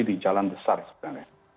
di jalan besar sebenarnya